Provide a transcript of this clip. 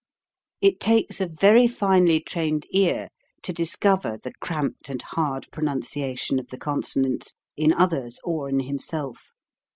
It takes a very finely trained ear to discover the cramped and hard pronunciation of the con sonants, in others or in himself.